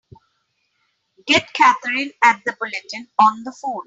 Get Katherine at the Bulletin on the phone!